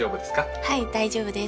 はい大丈夫です。